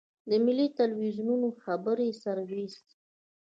د ملي ټلویزیون خبري سرویس.